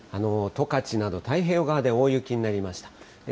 十勝など、太平洋側で大雪になりました。